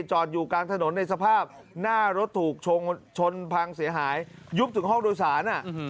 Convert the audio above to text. จอดอยู่กลางถนนในสภาพหน้ารถถูกชนพังเสียหายยุบถึงห้องโดยสาร